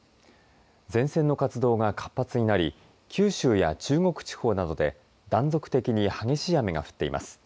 前線の活動が活発になり九州や中国地方などで断続的に激しい雨が降っています。